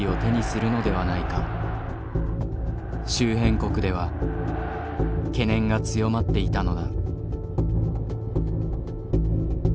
周辺国では懸念が強まっていたのだ。